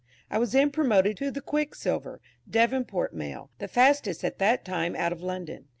I was then promoted to the "Quicksilver," Devonport Mail, the fastest at that time out of London.